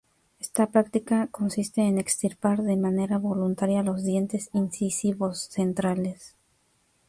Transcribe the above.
Esta práctica consiste en extirpar de manera voluntaria los dientes incisivos centrales.